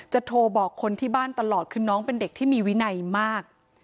โทรบอกคนที่บ้านตลอดคือน้องเป็นเด็กที่มีวินัยมาก